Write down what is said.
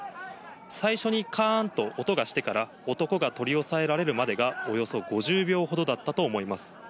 最初にかーんと音がしてから、男が取り押さえられるまでがおよそ５０秒ほどだったと思います。